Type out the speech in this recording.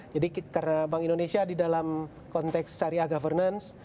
jadi karena bank indonesia di dalam konteks syariah governance